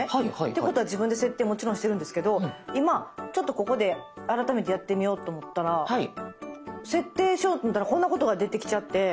ていうことは自分で設定もちろんしてるんですけど今ちょっとここで改めてやってみようと思ったら設定しようと思ったらこんなことが出てきちゃって。